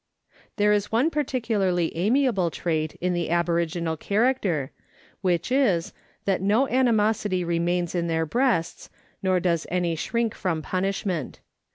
There is one particularly amiable trait in the aboriginal char acter, which is, that no animosity remains in their breasts, nor does any shrink from punishment.